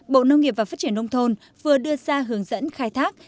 bộ nông nghiệp và phát triển nông thôn vừa đưa ra hướng dẫn khai thác